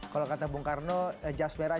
kalau kata bung karno jasmerah